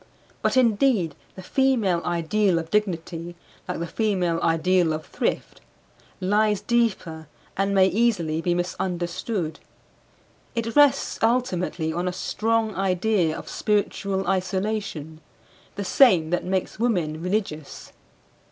But indeed the female ideal of dignity, like the female ideal of thrift, lies deeper and may easily be misunderstood. It rests ultimately on a strong idea of spiritual isolation; the same that makes women religious.